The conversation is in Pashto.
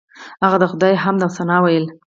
هغه د خدای حمد او ثنا ویله.